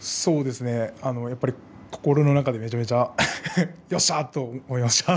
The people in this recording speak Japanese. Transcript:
やっぱり心の中でめちゃめちゃよっしゃ！と思いま